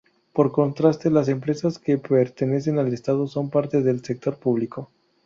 Por contraste, las empresas que pertenecen al Estado son parte del sector público.